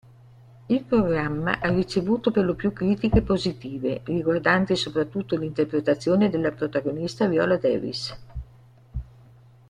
Il programma ha ricevuto perlopiù critiche positive, riguardanti soprattutto l'interpretazione della protagonista Viola Davis.